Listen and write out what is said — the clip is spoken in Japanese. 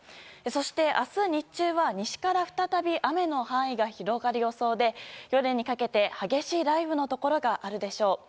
そして明日日中は、西から再び雨の範囲が広がる予想で夜にかけて激しい雷雨のところがあるでしょう。